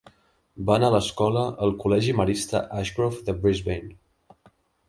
Va anar a l'escola al Col·legi Marista Ashgrove de Brisbane.